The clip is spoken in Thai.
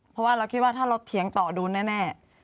เพราะว่าเราคิดว่าถ้าเราเถียงต่อโดนแน่